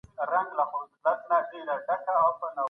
دښمن په یو ګوزار سر بدله سو.